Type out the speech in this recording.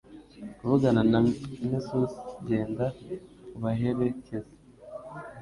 kuvugana na Nessus Genda ubaherekeze